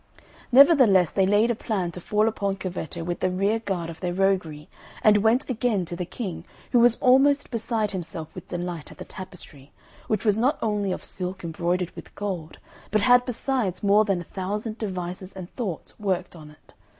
Nevertheless they laid a plan to fall upon Corvetto with the rear guard of their roguery, and went again to the King, who was almost beside himself with delight at the tapestry which was not only of silk embroidered with gold, but had besides more than a thousand devices and thoughts worked on it.